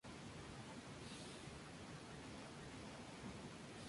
Naturalmente, las tres posturas arrojan otras preguntas y otros problemas.